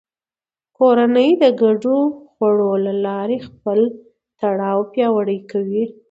کورنۍ د ګډو خوړو له لارې خپل تړاو پیاوړی کوي